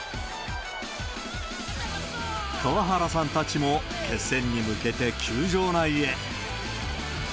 河原さんたちも決戦に向けて球場内へ。